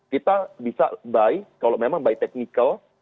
kita bisa buy kalau memang buy technical